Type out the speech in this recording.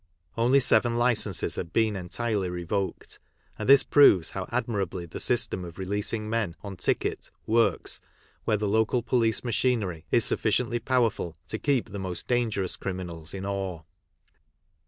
Only seven licences had been entirely revoked, and this proves how admirably the system of releasing men . on ticket works where the local police machinery is sufficiently powerful to keep the most dangerous criminals in awe.